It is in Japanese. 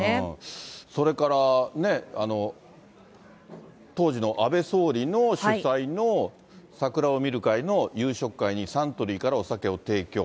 それから当時の安倍総理の主催の桜を見る会の夕食会に、サントリーからお酒を提供。